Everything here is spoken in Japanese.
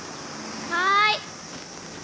はい。